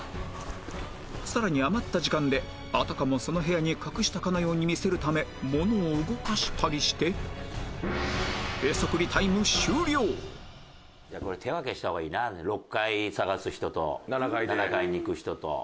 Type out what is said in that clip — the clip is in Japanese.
さらに余った時間であたかもその部屋に隠したかのように見せるため物を動かしたりして６階探す人と７階に行く人と。